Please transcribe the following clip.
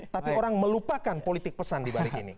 tapi orang melupakan politik pesan di balik ini